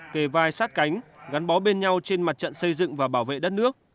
kề vai sát cánh gắn bó bên nhau trên mặt trận xây dựng và bảo vệ đất nước